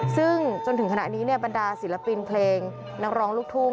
ซึ่งจนถึงขณะนี้บรรดาศิลปินเพลงนักร้องลูกทุ่ง